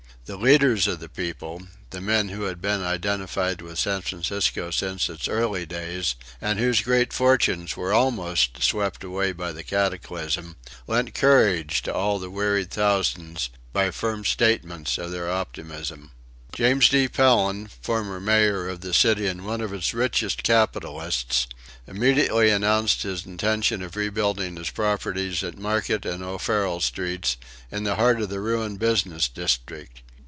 The leaders of the people, the men who had been identified with San Francisco since its early days, and whose great fortunes were almost swept away by the cataclysm, lent courage to all the wearied thousands by firm statements of their optimism. James D. Phelan, former Mayor of the city and one of its richest capitalists, immediately announced his intention of rebuilding his properties at Market and O'Farrell Streets, in the heart of the ruined business district.